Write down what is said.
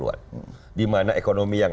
delapan puluh an dimana ekonomi yang